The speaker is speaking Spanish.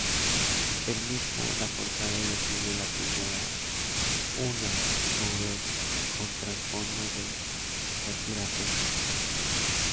El mismo Lafourcade define la primera una "nouvelle" con trasfondo de sátira política.